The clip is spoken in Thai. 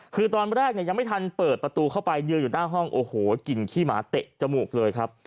คือตอนแรกเนี่ยยังไม่ทันเปิดประตูเข้าไปยืนอยู่หน้าห้องโอ้โหกลิ่นขี้หมาเตะจมูกเลยครับ